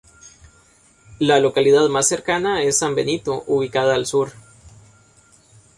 La localidad más cercana es San Benito ubicada al sur.